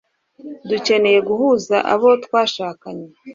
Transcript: Dukeneye guhuza abo twashakanye